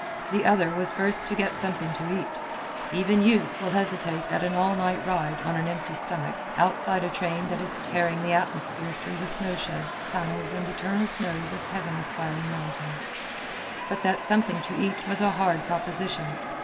The other was first to get something to eat. Even youth will hesitate at an all night ride, on an empty stomach, outside a train that is tearing the atmosphere through the snow sheds, tunnels, and eternal snows of heaven aspiring mountains. But that something to eat was a hard proposition.